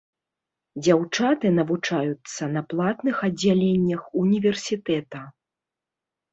Дзяўчаты навучаюцца на платных аддзяленнях універсітэта.